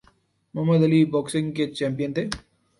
محمد Ali boxing کے champion تھے